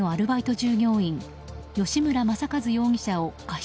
従業員吉村昌和容疑者を過失